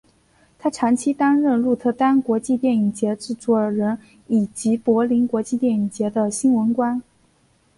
他长期担任鹿特丹国际电影节制作人以及柏林国际电影节的新闻官。